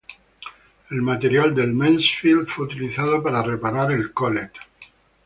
El material del Mansfield fue utilizado para reparar el Collett.